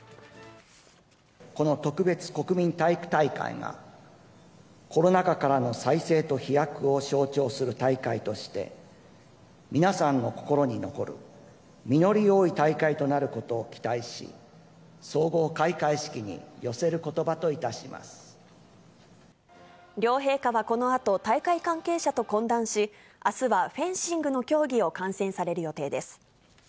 この特別国民体育大会がコロナ禍からの再生と飛躍を象徴する大会として、皆さんの心に残る、実り多い大会となることを期待し、総合開会式に寄せることばといた両陛下はこのあと、大会関係者と懇談し、あすはフェンシングの競技を観戦される予定です。